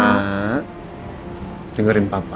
ma dengerin papa